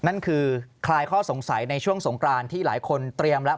นั่นคือคลายข้อสงสัยในช่วงสงกรานที่หลายคนเตรียมแล้ว